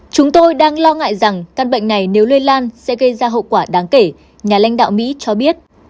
chúng tôi đang lo ngại rằng căn bệnh này nếu lây lan sẽ gây ra hậu quả đáng kể nhà lãnh đạo mỹ cho biết